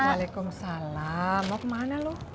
waalaikumsalam mau kemana lo